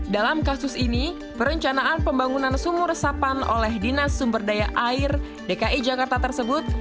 dalam kasus ini perencanaan pembangunan sumur resapan oleh dinas sumber daya air dki jakarta tersebut